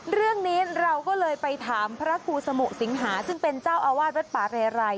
เรื่องนี้เราก็เลยไปถามพระครูสมุสิงหาซึ่งเป็นเจ้าอาวาสวัดป่าเรไร